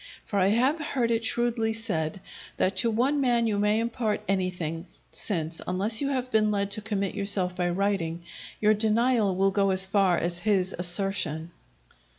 For I have heard it shrewdly said that to one man you may impart anything, since, unless you have been led to commit yourself by writing, your denial will go as far as his assertion.